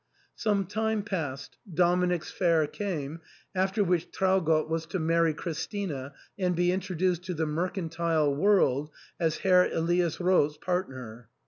Some time passed ; Dominic's Fair ^ came, after which Traugott was to marry Christina and be intro duced to the mercantile world as Herr Elias Roos's partner.